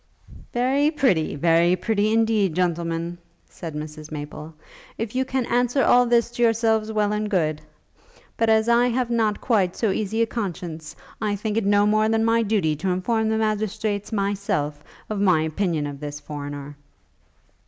'Very pretty! very pretty, indeed, Gentlemen!' said Mrs Maple; 'If you can answer all this to yourselves, well and good; but as I have not quite so easy a conscience, I think it no more than my duty to inform the magistrates myself, of my opinion of this foreigner.'